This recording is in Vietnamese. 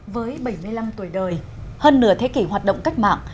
với bảy mươi năm tuổi đời hơn nửa thế kỷ hoạt động cách mạng